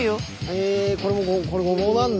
へえこれごぼうなんだ。